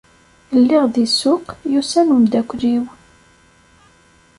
Lliɣ di ssuq, yusa-n umeddakel-iw.